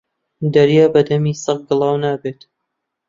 دەریا بە دەمی سەگ گڵاو نابێت